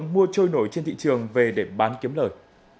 nguyễn quỳnh giao không có hóa đơn chứng thị trường về để bán kiếm lời